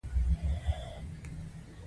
پالیسي د اجرااتو یو محتاطانه پلان دی.